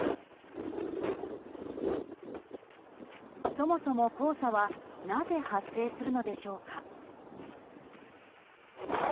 そもそも黄砂はなぜ発生するのでしょうか。